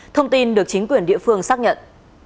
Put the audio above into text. thông tin được chính quyền địa phương xác nhận